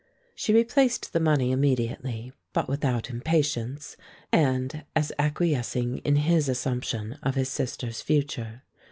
She replaced the money immediately, but without impatience, and as acquiescing in his assumption of his sister's future.